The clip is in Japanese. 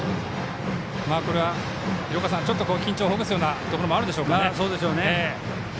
ちょっと緊張をほぐすようなところもあるでしょうかね。